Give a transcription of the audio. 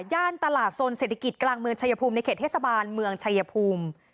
ย่านตลาดโซนเศรษฐกิจกลางเมืองชายภูมิในเขตเทศบาลเมืองชายภูมิ